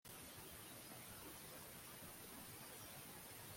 Tugomba gukora byinshi byo gusoma